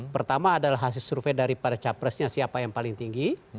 pertama adalah hasil survei daripada capresnya siapa yang paling tinggi